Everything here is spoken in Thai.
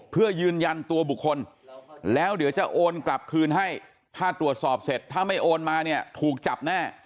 เพื่อยืนยันตัวบุคคลแล้วเดี๋ยวจะโอนกลับคืนให้ถ้าตรวจสอบเสร็จถ้าไม่โอนมาเนี่ยถูกจับแน่